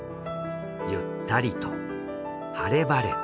ゆったりと晴れ晴れと。